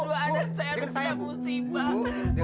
masa dua anak saya harus tetap musimah